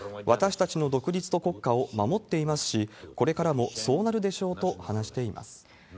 私たちの独立と国家を守っていますし、これからもそうなるでしょうと話しています。